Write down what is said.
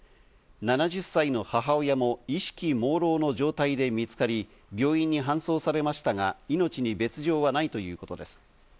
７０歳の母親も意識もうろうの状態で見つかり、病院に搬送されましたが、命に別条はないということです。